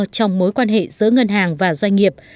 trong mối quan hệ giữa ngân hàng và doanh nghiệp